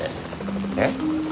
えっ？